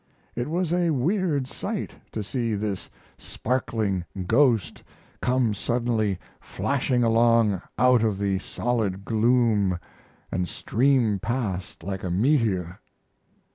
It was a weird sight to see this sparkling ghost come suddenly flashing along out of the solid gloom and stream past like a meteor."